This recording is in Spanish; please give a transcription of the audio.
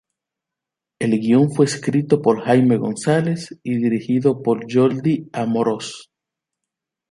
El guion fue escrito por Jaime González y dirigido por Jordi Amorós.